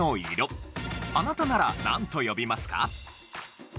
あなたならなんと呼びますか？